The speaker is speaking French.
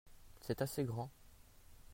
c'est assez grand.